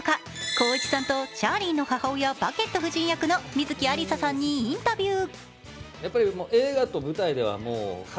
光一さんとチャーリーの母親、バケット夫人役の観月ありささんにインタビュー。